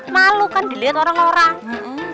malu kan dilihat orang orang